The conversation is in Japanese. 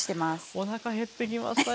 おなか減ってきましたよ。